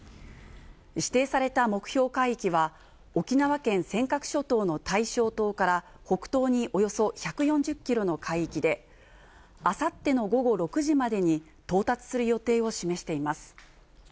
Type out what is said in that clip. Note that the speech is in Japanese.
指定された目標海域は、沖縄県尖閣諸島の大正島から北東におよそ１４０キロの海域で、あさっての午後６時までに到達する予定を示しています。